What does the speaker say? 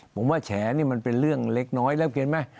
ผมว่าแฉนี่มันเป็นเรื่องเล็กน้อยแล้วเห็นไหม